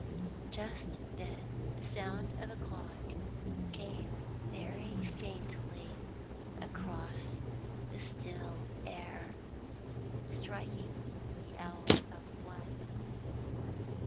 Just then the sound of a clock came very faintly across the still air, striking the hour of one.